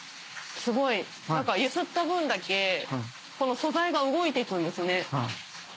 すごい何かゆすった分だけこの素材が動いていくんですね。